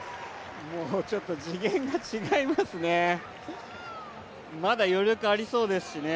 もうちょっと次元が違いますね。